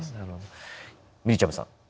みりちゃむさん。